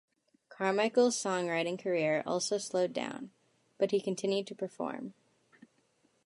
Carmichael's songwriting career also slowed down, but he continued to perform.